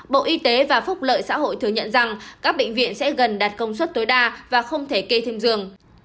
bộ y tế và phúc lợi xã hội thừa nhận rằng các bệnh viện sẽ gần đạt công suất tối đa và không thể kê thêm giường